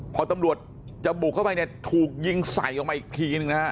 พอตำรวจจะบุกเข้าไปเนี่ยถูกยิงใส่ออกมาอีกทีหนึ่งนะฮะ